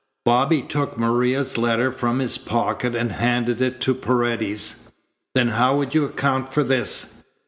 Bobby took Maria's letter from his pocket and handed it to Paredes. "Then how would you account for this?"